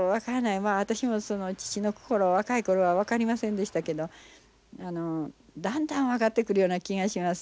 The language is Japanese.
まあ私も父の心は若い頃は分かりませんでしたけどだんだん分かってくるような気がします。